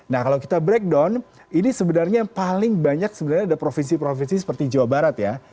nah kalau kita breakdown ini sebenarnya yang paling banyak sebenarnya ada provinsi provinsi seperti jawa barat ya